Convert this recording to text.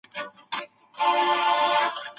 بهرنیانو د افغاني خوړو ستاینه کوله.